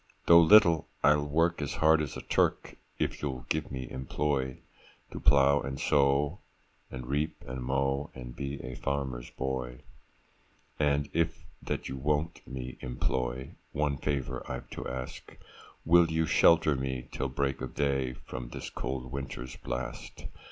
Though little, I'll work as hard as a Turk, If you'll give me employ, To plow and sow, and reap and mow, And be a farmer's boy. 'And if that you won't me employ, One favour I've to ask,— Will you shelter me, till break of day, From this cold winter's blast?